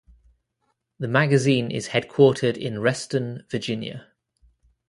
The magazine is headquartered in Reston, Virginia.